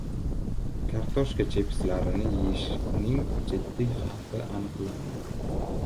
Kartoshka chipslarini yeyishning jiddiy xavfi aniqlandi